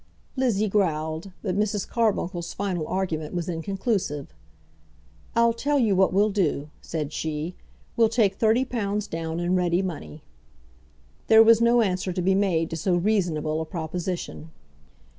Lizzie growled, but Mrs. Carbuncle's final argument was conclusive. "I'll tell you what we'll do," said she; "we'll take thirty pounds down in ready money." There was no answer to be made to so reasonable a proposition.